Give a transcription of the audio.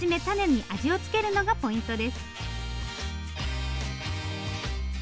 たねに味を付けるのがポイントです。